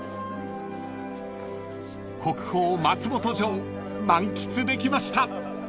［国宝松本城満喫できました］